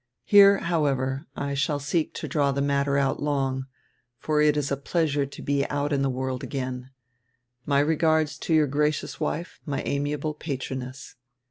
Here, however, I shall seek to draw die matter out long, for it is a pleasure to be out in die world again. My regards, to your gracious wife, my amiable patroness."